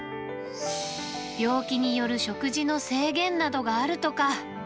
病気による食事の制限などがあるとか。